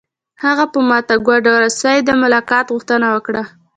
هغه په ماته ګوډه روسي د ملاقات غوښتنه وکړه